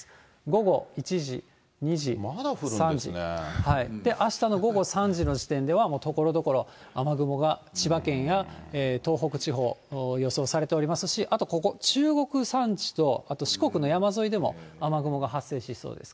午後１時、２時、３時、あしたの午後３時の時点では、もうところどころ、雨雲が千葉県や東北地方、予想されておりますし、あとここ、中国山地と、あと四国の山沿いでも雨雲が発生しそうです。